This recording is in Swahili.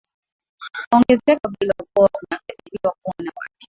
Kwa ongezeko hilo Mkoa unakadiriwa kuwa na watu